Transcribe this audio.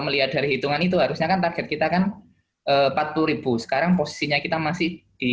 melihat dari hitungan itu harusnya kan target kita kan empat puluh sekarang posisinya kita masih di